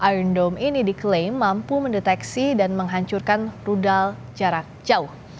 aerondom ini diklaim mampu mendeteksi dan menghancurkan rudal jarak jauh